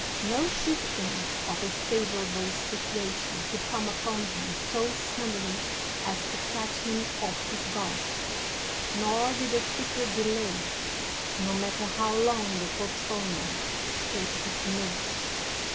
No shifting of a favorable sit uation could come upon him so suddenly as to catch him ofif his guard, nor did a secret delay, no matter how long the postponement, escape his notice.